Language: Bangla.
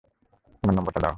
তোমার নম্বরটা দাও!